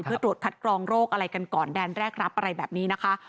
เพื่อตรวจคัดกรองโรคอะไรกันก่อนแดนแรกรับอะไรแบบนี้นะคะ